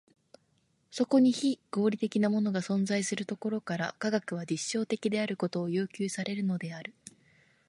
そこに非合理的なものが存在するところから、科学は実証的であることを要求されるのである。